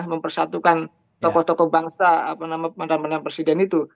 mempersatukan tokoh tokoh bangsa apa nama mantan mantan presiden itu